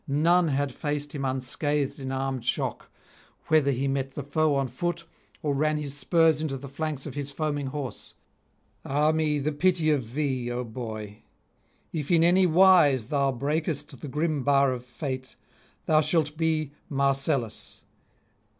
none had faced him unscathed in armed shock, whether he met the foe on foot, or ran his spurs into the flanks of his foaming horse. Ah me, the pity of thee, O boy! if in any wise thou breakest the grim bar of fate, thou shalt be Marcellus.